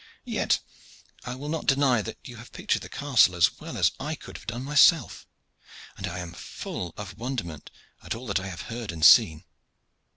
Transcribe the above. Yet I will not deny that you have pictured the castle as well as I could have done myself, and I am full of wonderment at all that I have heard and seen."